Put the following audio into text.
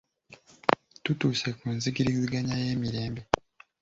Tutuuse ku nzikiriziganya ey'emirembe